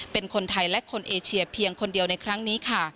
เป็นคนไทยและคนเอเชียเพียงคนเดียวในครั้งนี้ค่ะ